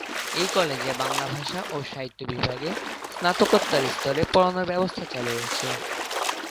এই কলেজে "বাংলা ভাষা ও সাহিত্য" বিভাগে স্নাতকোত্তর স্তরে পড়ানোর ব্যবস্থা চালু রয়েছে।